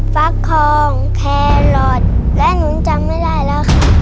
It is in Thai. ฟักทองแครอทและหนูจำไม่ได้แล้วค่ะ